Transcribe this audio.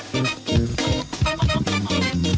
ใหม่กว่าเดิม